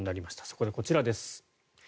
そこでこちらです。